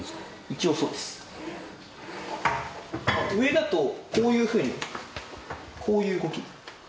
一応そうです上だとこういうふうにこういう動き